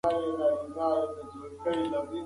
ما له خپل پلار څخه د تګ اجازه نه وه اخیستې.